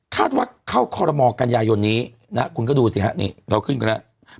คาดว่าเข้าคอลโลมอกัญญายนนี้นะครับคุณก็ดูสิครับนี่เราขึ้นกันแล้ว